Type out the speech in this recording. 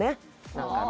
何かね